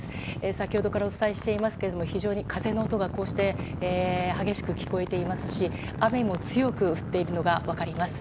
先ほどからお伝えしていますが非常に風の音が激しく聞こえていますし雨も強く降っているのが分かります。